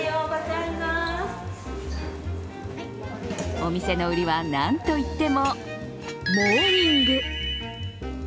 お店の売りはなんといってもモーニング。